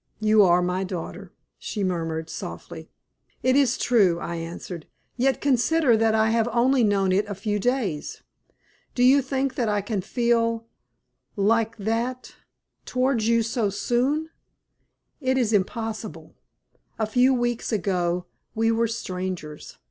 "You are my daughter," she murmured, softly. "It is true," I answered; "yet consider that I have only known it a few days. Do you think that I can feel like that towards you so soon? It is impossible. A few weeks ago we were strangers.